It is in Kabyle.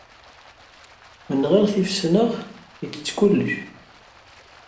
Menɣir tifesnax, ittett kullec.